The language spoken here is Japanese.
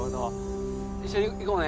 一緒に行こうね。